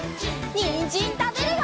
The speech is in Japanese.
にんじんたべるよ！